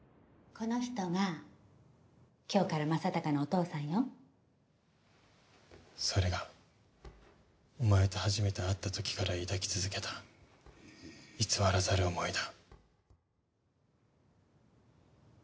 この人が今日から正隆のお父それがお前と初めて会ったときから抱き続けた偽らざる思いだ。